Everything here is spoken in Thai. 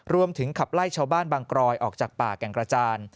ขับไล่ชาวบ้านบางกรอยออกจากป่าแก่งกระจาน